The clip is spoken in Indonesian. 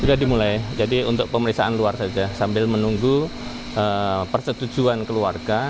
sudah dimulai jadi untuk pemeriksaan luar saja sambil menunggu persetujuan keluarga